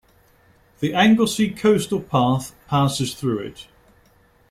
The Anglesey Coastal Path passes through it.